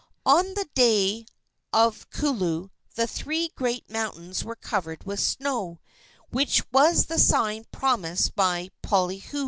On the day of kulu the three great mountains were covered with snow, which was the sign promised by Poliahu.